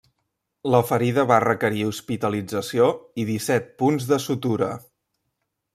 La ferida va requerir hospitalització i disset punts de sutura.